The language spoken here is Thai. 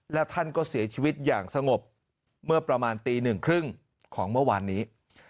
และท่านก็เสียชีวิตอย่างสงบเมื่อประมาณตีหนึ่งครึ่งของเมื่อวานนี้